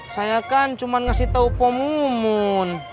saya kan cuman ngasih tau pomomon